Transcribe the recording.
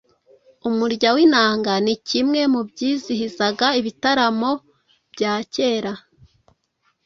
Umurya w’inanga, ni kimwe mu byizihizaga ibitaramo bya kera